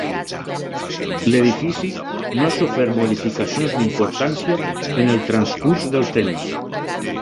L'edifici no ha sofert modificacions d'importància en el transcurs del temps.